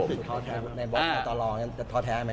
รู้สึกท้อแท้ในบอสเตอร์ตอนรองยังท้อแท้ไหมครับพี่แหน่ว